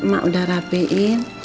mak udah rapihin